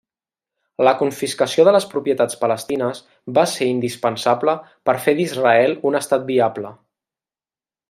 La confiscació de les propietats palestines va ser indispensable per fer d'Israel un estat viable.